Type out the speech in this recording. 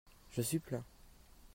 Je suis plein.